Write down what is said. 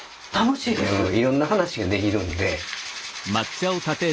いろんな話ができるんで。